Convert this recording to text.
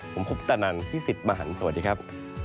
ผมคุปตะนันพี่สิทธิ์มหันฯสวัสดีครับ